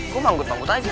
gua manggut manggut aja